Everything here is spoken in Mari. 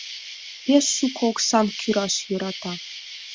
— Пеш шуко оксам кӱраш йӧрата.